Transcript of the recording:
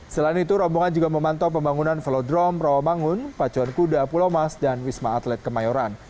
selain itu rombongan juga memantau pembangunan velodrome rawamangun pacuan kuda pulau mas dan wisma atlet kemayoran